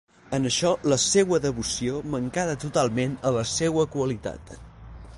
En això la seua devoció mancada totalment a la seua qualitat.